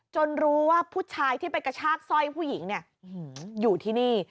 รู้ว่าผู้ชายที่ไปกระชากสร้อยผู้หญิงเนี่ยอยู่ที่นี่